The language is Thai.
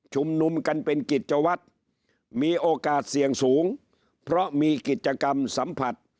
ชุมนุมกันเป็นกิจวัตรมีโอกาสเสี่ยงสูงเพราะมีกิจกรรมสัมผัส